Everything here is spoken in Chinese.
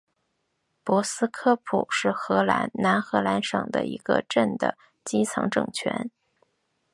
博斯科普是荷兰南荷兰省的一个镇的基层政权。